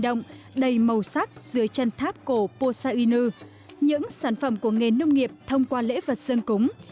động đầy màu sắc dưới chân tháp cổ posa unu những sản phẩm của nghề nông nghiệp thông qua lễ vật dân cúng